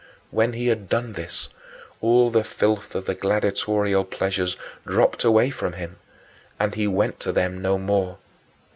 When he had done this, all the filth of the gladiatorial pleasures dropped away from him, and he went to them no more.